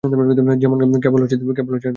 কেবল নারী ছাড়া!